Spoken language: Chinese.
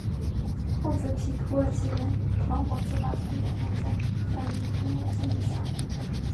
后者即土耳其人团伙则把重点放在贩运东欧妓女上。